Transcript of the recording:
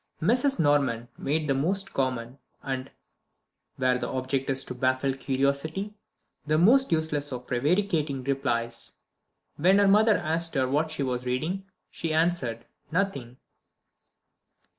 Mrs. Norman made the most common, and where the object is to baffle curiosity the most useless of prevaricating replies. When her mother asked her what she was reading she answered: "Nothing."